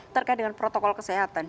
terkait dengan protokol kesehatan